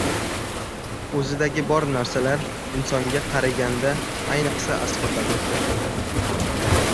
O‘zidagi bor narsalar insonga qariganda ayniqsa asqatadi.